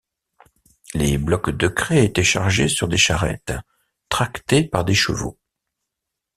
Les blocs de craie étaient chargés sur des charrettes, tractées par des chevaux.